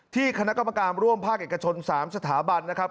คณะกรรมการร่วมภาคเอกชน๓สถาบันนะครับ